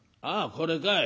これかい。